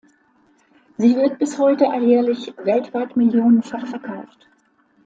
Sie wird bis heute alljährlich weltweit millionenfach verkauft.